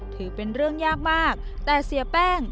ถือเป็นเรื่องยากมากแต่เสียแป้ง